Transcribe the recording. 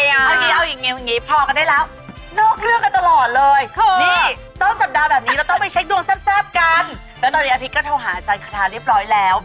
เอางี้เอาอย่างนี้อย่างนี้พอกันได้แล้วนอกเรื่องกันตลอดเลยนี่ต้นสัปดาห์แบบนี้เราต้องไปเช็คดวงแซ่บกันแล้วตอนนี้อาพีชก็โทรหาอาจารย์คาทาเรียบร้อยแล้ว